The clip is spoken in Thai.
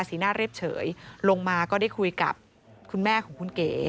สีหน้าเรียบเฉยลงมาก็ได้คุยกับคุณแม่ของคุณเก๋